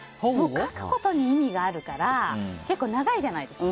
書くことに意味があるから結構長いじゃないですか。